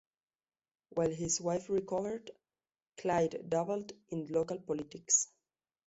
While his wife recovered, Clyde dabbled in local politics.